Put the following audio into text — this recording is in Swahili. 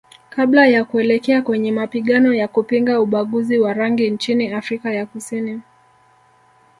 Kabla ya kuelekea kwenye mapigano ya kupinga ubaguzi wa rangi nchini Afrika ya Kusini